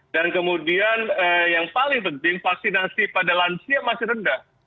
dan kemudian yang paling penting vaksinasi pada lansia masih rendah